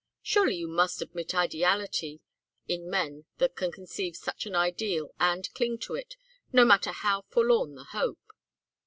Surely you must admit ideality in men that can conceive such an ideal and cling to it, no matter how forlorn the hope."